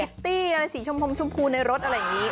คิตตี้สีชมพมชมพูในรสอะไรอย่างนี้